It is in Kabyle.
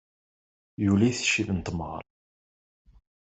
Yuli-t ccib n temɣer.